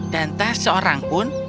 dan tak seorang pun